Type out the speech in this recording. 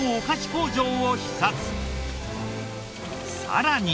さらに。